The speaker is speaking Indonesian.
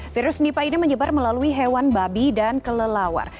virus nipah ini menyebar melalui hewan babi dan kelelawar